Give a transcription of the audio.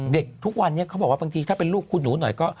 ทุกวันนี้เขาบอกว่าบางทีถ้าเป็นลูกคุณหนูหน่อยก็